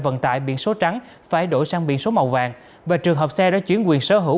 vận tải biển số trắng phải đổi sang biển số màu vàng và trường hợp xe đã chuyển quyền sở hữu